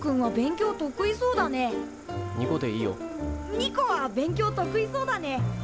ニコは勉強得意そうだね。